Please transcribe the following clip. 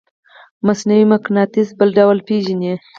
مصنوعي مقناطیس بل ډول پیژنئ؟